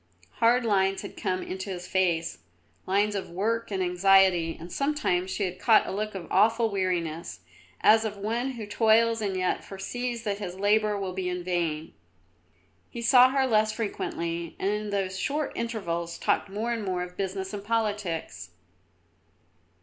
Hard lines had come into his face, lines of work and anxiety, and sometimes she had caught a look of awful weariness, as of one who toils and yet foresees that his labour will be vain. He saw her less frequently, and in those short intervals talked more and more of business and politics.